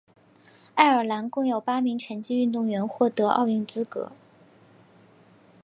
爱尔兰共有八名拳击运动员获得奥运资格。